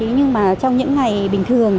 nhưng mà trong những ngày bình thường